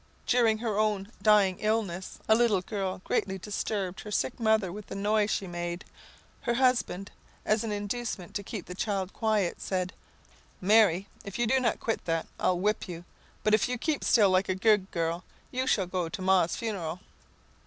During her own dying illness, a little girl greatly disturbed her sick mother with the noise she made. Her husband, as an inducement to keep the child quiet, said, "Mary, if you do not quit that, I'll whip you; but if you keep still like a good girl, you shall go to ma's funeral."